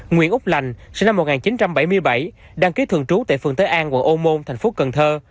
nguyễn úc lành sinh năm một nghìn chín trăm bảy mươi bảy đăng ký thường trú tại phường tới an quận ô môn thành phố cần thơ